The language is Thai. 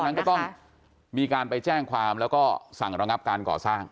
นั้นก็ต้องมีการไปแจ้งความแล้วก็สั่งระงับการก่อสร้าง